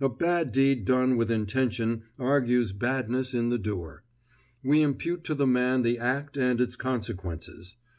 A bad deed done with intention argues badness in the doer. We impute to the man the act and its consequences.